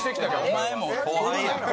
お前もう後輩や。